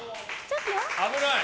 危ない。